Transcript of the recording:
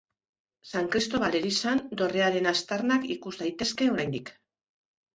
San Kristobal elizan dorrearen aztarnak ikus daitezke oraindik.